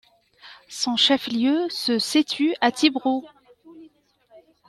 Son chef-lieu se situe à Tibro.